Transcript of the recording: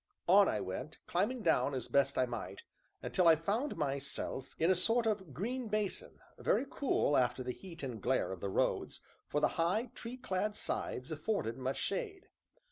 On I went, climbing down as best I might, until I found myself in a sort of green basin, very cool after the heat and glare of the roads, for the high, tree clad sides afforded much shade.